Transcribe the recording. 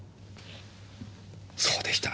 そうでした。